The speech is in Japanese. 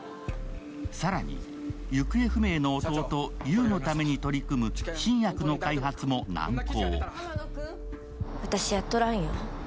更に、行方不明の弟、優のために取り組む新薬の開発も難航。